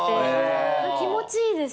気持ちいいです。